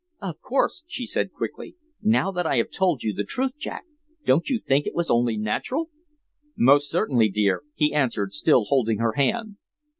"Of course," she said quickly. "Now that I have told you the truth, Jack, don't you think it was only natural?" "Most certainly, dear," he answered, still holding her hand.